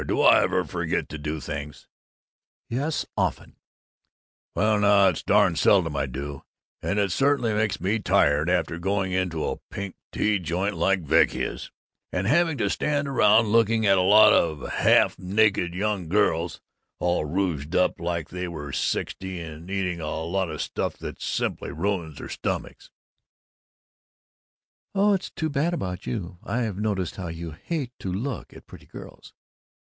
Do I ever forget to do things?" "Yes! Often!" "Well now, it's darn seldom I do, and it certainly makes me tired, after going into a pink tea joint like Vecchia's and having to stand around looking at a lot of half naked young girls, all rouged up like they were sixty and eating a lot of stuff that simply ruins their stomachs " "Oh, it's too bad about you! I've noticed how you hate to look at pretty girls!"